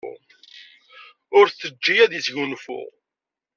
Ur t-teǧǧi ad yesgunfu.